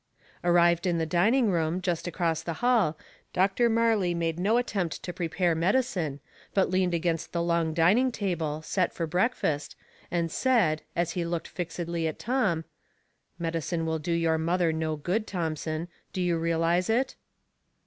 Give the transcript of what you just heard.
Arrived in the dining room, just across the hall, Dr. Marley made no attempt to prepare medicine, but leaned against the long dining table, set for breakfast, and said, as he looked fixedly at Tom,— "Medicine will do your mother no good, Thomson ; do you realize it